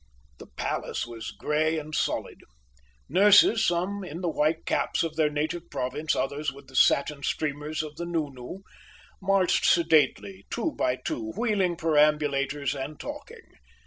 The palace was grey and solid. Nurses, some in the white caps of their native province, others with the satin streamers of the nounou, marched sedately two by two, wheeling perambulators and talking.